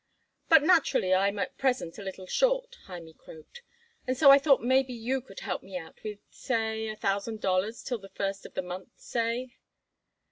"But, naturally, I'm at present a little short," Hymie croaked, "and so I thought maybe you could help me out with, say a thousand dollars till the first of the month, say."